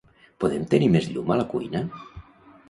Podem tenir més llum a la cuina?